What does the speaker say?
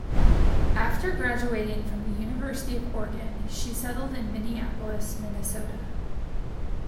After graduating from the University of Oregon, she settled in Minneapolis, Minnesota.